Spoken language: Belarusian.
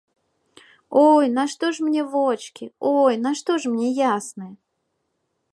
Ой, нашто ж мне вочкі, ой, нашто ж мне ясны?